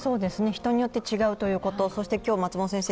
人によって違うということ。